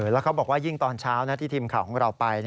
แล้วเขาบอกว่ายิ่งตอนเช้าที่ทีมข่าวของเราไป